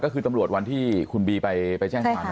ก็คือตำรวจวันที่คุณบีไปแจ้งความ